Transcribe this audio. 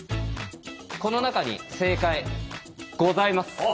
この中に正解ございます。